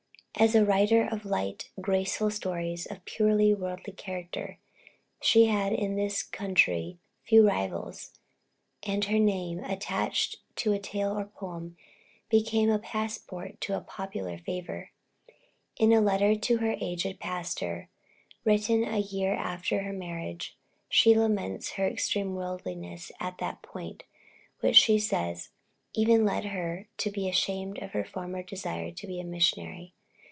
As a writer of light, graceful stories of a purely worldly character, she had in this country, few rivals, and her name, attached to a tale or a poem, became a passport to popular favor. In a letter to her aged pastor, written a year after her marriage, she laments her extreme worldliness at that period, which she says, even led her to be ashamed of her former desire to be a missionary.